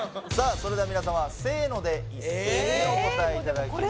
それでは皆様せので一斉にお答えいただきます